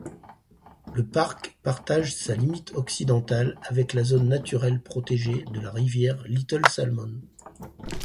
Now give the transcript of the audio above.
Le parc partage sa limite occidentale avec la zone naturelle protégée de la Rivière-Little-Salmon.